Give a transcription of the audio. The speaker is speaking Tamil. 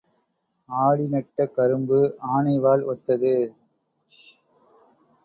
ஆடி நட்ட கரும்பு ஆனை வால் ஒத்தது.